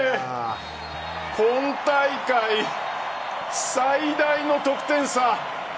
今大会、最大の得点差。